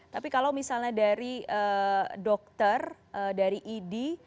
tapi kalau misalnya dari dokter dari idi